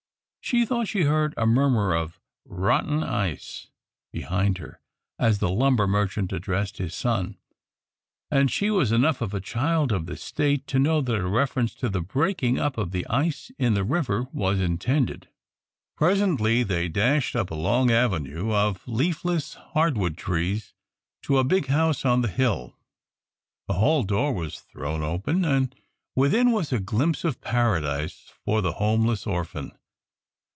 She thought she heard a murmur of "rotten ice" behind her as the lumber merchant addressed his son, and she was enough a child of the State to know that a reference to the breaking up of the ice in the river was intended. Presently they dashed up a long avenue of leafless, hardwood trees to a big house on the hill. A hall door was thrown open, and within was a glimpse of paradise for the homeless orphan.